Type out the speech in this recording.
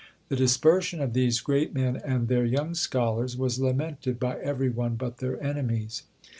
The dispersion of these great men, and their young scholars, was lamented by every one but their enemies.